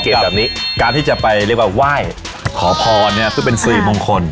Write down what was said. เหมาะกับการที่จะไปเรียกว่าไหว้ขอพอเนี่ยก็เป็นสื่อมงคล